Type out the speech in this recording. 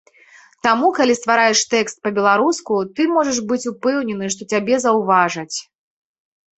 Таму калі ствараеш тэкст па-беларуску, ты можаш быць упэўнены, што цябе заўважаць.